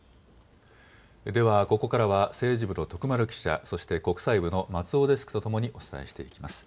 ではここからは政治部の徳丸記者、そして国際部の松尾デスクとともにお伝えしていきます。